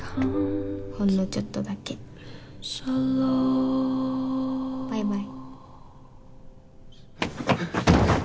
ほんのちょっとだけバイバイ。